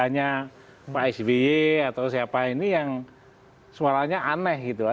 hanya pak sby atau siapa ini yang suaranya aneh gitu loh